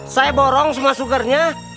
saya borong semua sugernya